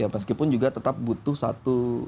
meskipun juga tetap butuh satu